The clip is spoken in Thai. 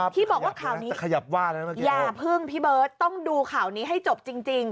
ที่บอกว่าข่าวนี้อย่าเพิ่งพี่เบิร์ธต้องดูข่าวนี้ให้จบจริง